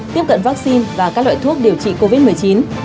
tiếp cận vaccine và các loại thuốc điều trị covid một mươi chín